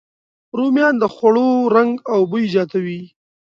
رومیان د خوړو رنګ او بوی زیاتوي